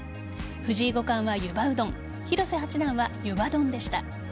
藤井五冠はゆばうどん広瀬八段はゆば丼でした。